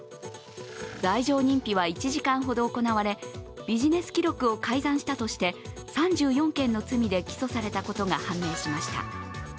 罪状認否は１時間ほど行われビジネス記録を改ざんしたとして３４件の罪で起訴されたことが判明しました。